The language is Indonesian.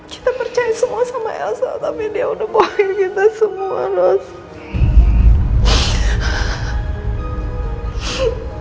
kita percaya semua sama elsa tapi dia udah bohongin kita semua not